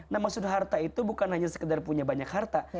nah maksud harta itu bukan hanya sekedar punya banyak harta